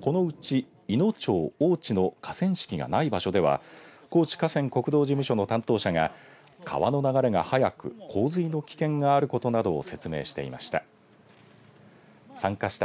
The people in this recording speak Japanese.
このうち、いの町大内の河川敷がない場所では高知河川国道事務所の担当者が川の流れが速く、洪水の危険があることなどを説明していました。